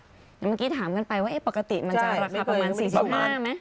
เมื่อกี้ถามกันไปว่าปกติมันจะราคาประมาณ๔๕ไหม